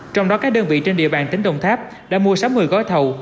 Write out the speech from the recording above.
trong đó các đơn vị trên địa bàn tỉnh đồng tháp đã mua sắm một mươi gói thầu